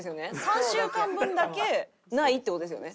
３週間分だけないって事ですよね？